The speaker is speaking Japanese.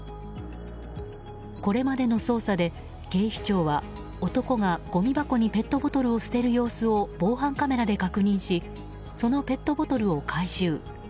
これまでの捜査で警視庁は男が、ごみ箱にペットボトルを捨てる様子を防犯カメラで確認しそのペットボトルを回収。